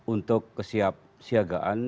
untuk kesiap siagaan